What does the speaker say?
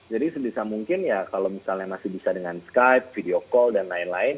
jadi sebisa mungkin ya kalau misalnya masih bisa dengan skype video call dan lain lain